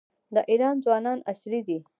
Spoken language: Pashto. د ایران ځوانان عصري دي.